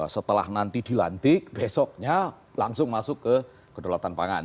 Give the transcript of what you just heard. setelah nanti dilantik besoknya langsung masuk ke kedaulatan pangan